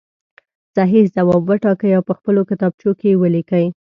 صحیح ځواب وټاکئ او په خپلو کتابچو کې یې ولیکئ.